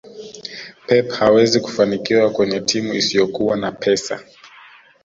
pep hawezi kufanikiwa kwenye timu isiyokuwa na pesa